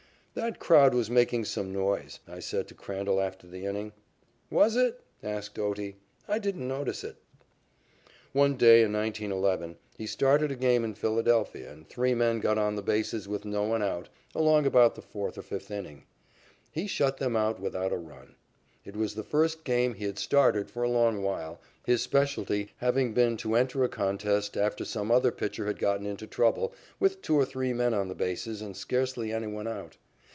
"That crowd was making some noise," I've said to Crandall after the inning. "Was it?" asked Otie. "I didn't notice it." One day in 1911, he started a game in Philadelphia and three men got on the bases with no one out, along about the fourth or fifth inning. He shut them out without a run. It was the first game he had started for a long while, his specialty having been to enter a contest, after some other pitcher had gotten into trouble, with two or three men on the bases and scarcely any one out.